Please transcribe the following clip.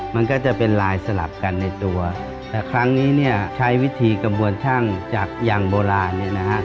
มันก็จะเป็นลายสลับกันในตัวแต่ครั้งนี้เนี่ยใช้วิธีกระบวนช่างจากอย่างโบราณเนี่ยนะฮะ